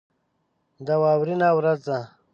دا واورینه ورځ ده.